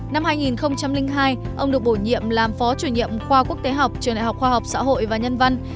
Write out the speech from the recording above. năm hai nghìn hai ông được bổ nhiệm làm phó chủ nhiệm khoa quốc tế học trường đại học khoa học xã hội và nhân văn